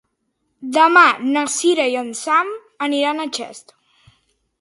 Demà na Cira i en Sam aniran a Xest.